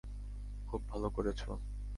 খুব ভালো করেছ।